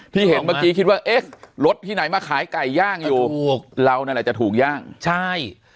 เห็นเมื่อกี้คิดว่าเอ๊ะรถที่ไหนมาขายไก่ย่างอยู่เรานั่นแหละจะถูกย่างใช่